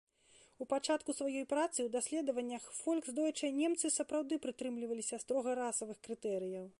У пачатку сваёй працы ў даследаваннях фольксдойчэ немцы сапраўды прытрымліваліся строга расавых крытэрыяў.